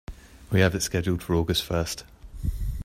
We have it scheduled for August first.